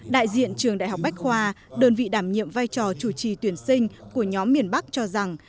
đại diện trường đại học bách khoa đơn vị đảm nhiệm vai trò chủ trì tuyển sinh của nhóm miền bắc cho rằng